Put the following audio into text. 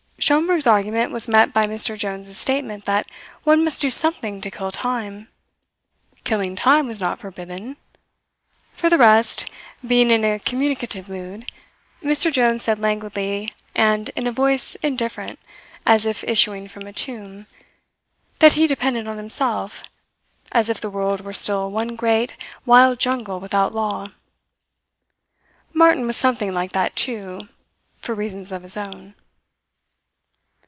Schomberg's argument was met by Mr. Jones's statement that one must do something to kill time. Killing time was not forbidden. For the rest, being in a communicative mood, Mr. Jones said languidly and in a voice indifferent, as if issuing from a tomb, that he depended on himself, as if the world were still one great, wild jungle without law. Martin was something like that, too for reasons of his own.